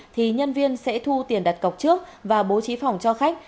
thì nhân viên sẽ thu tiền đặt cọc trước và bố trí phòng cho khách